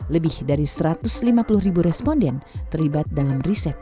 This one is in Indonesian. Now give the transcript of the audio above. lebih dari satu ratus lima puluh ribu responden terlibat dalam riset